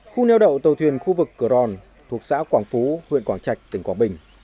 khu neo đậu tàu thuyền khu vực cửa ròn thuộc xã quảng phú huyện quảng trạch tỉnh quảng bình